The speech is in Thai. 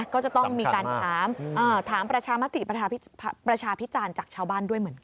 ก็จะต้องมีการถามประชามติประชาพิจารณ์จากชาวบ้านด้วยเหมือนกัน